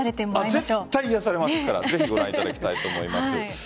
絶対、癒やされますからぜひご覧いただきたいと思います。